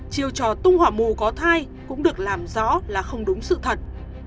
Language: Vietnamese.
chiêu trò tung hỏa mù có thai cũng được làm rõ là không đúng sự thật